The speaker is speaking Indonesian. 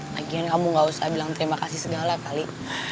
lagian kamu gak usah bilang terima kasih segala kali